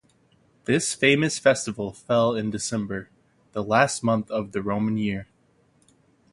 This famous festival fell in December, the last month of the Roman year.